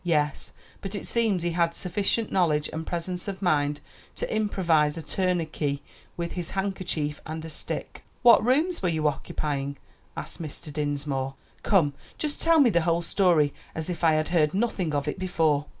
"Yes; but it seems he had sufficient knowledge and presence of mind to improvise a tourniquet with his handkerchief and a stick." "What rooms were you occupying?" asked Mr. Dinsmore. "Come, just tell me the whole story as if I had heard nothing of it before."